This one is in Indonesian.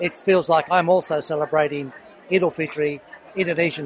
saya merasa seperti saya juga merayakan idul fitri dengan gaya indonesia